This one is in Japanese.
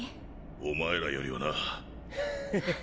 お前らよりはな。ははっ。